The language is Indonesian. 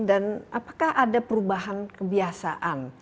dan apakah ada perubahan kebiasaan